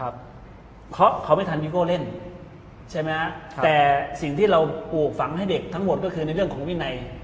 เพราะเขาไม่ทันฮิโก้เล่นใช่ไหมแต่สิ่งที่เราปลูกฝังให้เด็กทั้งหมดก็คือในเรื่องของวินัย